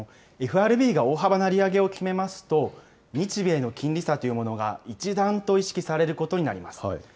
ＦＲＢが大幅な利上げを決めますと、日米の金利差というものが一段と意識されることになります。